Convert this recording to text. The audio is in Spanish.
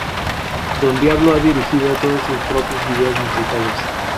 Don Diablo ha dirigido todos sus propios videos musicales.